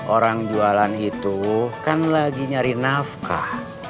orang jualan itu kan lagi nyari nafkah